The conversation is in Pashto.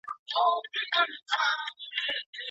ما د سبا لپاره د تمرينونو ترسره کول کړي دي.